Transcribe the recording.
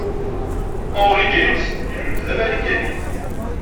Henry James ilul-d d Amarikani.